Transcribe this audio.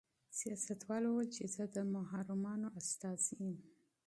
سیاستوال وویل چې زه د محرومانو استازی یم.